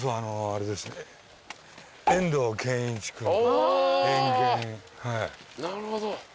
あなるほど。